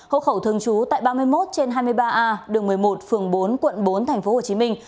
hộ khẩu thường trú tại ba mươi một trên hai mươi ba a đường một mươi một phường bốn quận bốn tp hcm